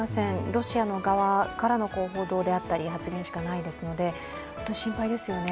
ロシアの側からの報道であったり発言しかないので本当に心配ですよね。